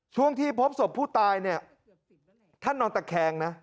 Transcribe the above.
ช่วงที่พบสมผู้ตายท่านนอนตะแคงนะ